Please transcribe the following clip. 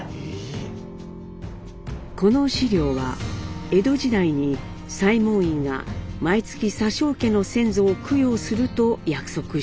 この資料は江戸時代に西門院が毎月佐生家の先祖を供養すると約束したもの。